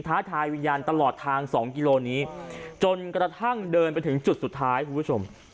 ท้าทายวิญญาณตลอดทาง๒กิโลนี้จนกระทั่งเดินไปถึงจุดสุดท้ายคุณผู้ชม